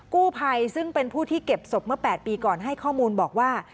กู้ภัยซึ่งเป็นผู้ที่เก็บศพเมื่อ๘ปีก่อนให้ข้อมูลบอกว่า